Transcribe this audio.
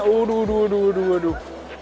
aduh aduh aduh aduh